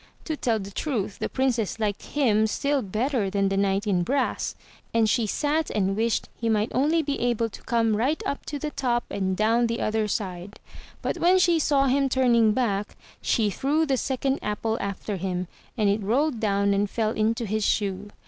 To tell the truth, the princess liked him still better than the knight in brass, and she sat and wished he might only be able to come right up to the top and down the other side; but when she saw him turning back she threw the second apple after him, and it rolled down and fell into his shoe.